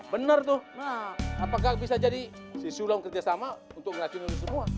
bener tuh apakah bisa jadi si sulam kerja sama untuk meracun lo semua